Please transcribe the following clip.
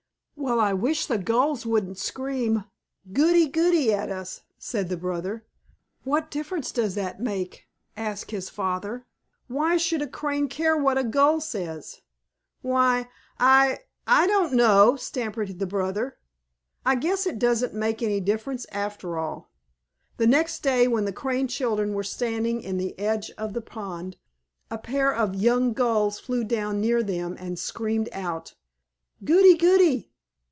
"Well, I wish the Gulls wouldn't scream, 'Goody goody' at us," said the brother. "What difference does that make?" asked his father. "Why should a Crane care what a Gull says?" "Why, I I don't know," stammered the brother. "I guess it doesn't make any difference after all." The next day when the Crane children were standing in the edge of the pond, a pair of young Gulls flew down near them and screamed out, "Goody goody!"